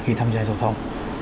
khi mà người ta không có thói quen